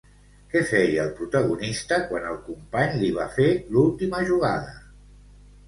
Què feia el protagonista quan el company li va fer l'última jugada?